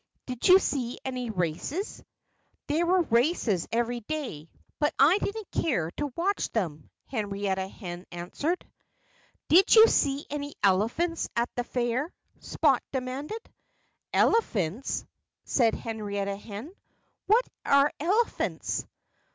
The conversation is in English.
"Did you see any races?" "There were races every day; but I didn't care to watch them," Henrietta Hen answered. "Did you see any elephants at the fair?" Spot demanded. "Elephants?" said Henrietta Hen. "What are elephants?"